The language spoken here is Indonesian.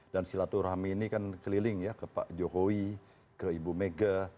dan silaturahmi ini kan keliling ya ke pak jokowi ke ibu mega